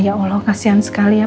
ya allah kasihan sekali ya